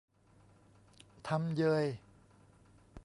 ทำเยย !